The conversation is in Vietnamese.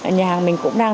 nhà hàng mình cũng đang